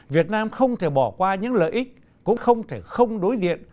việt nam không thể bỏ qua những lợi ích cũng không thể không đối diện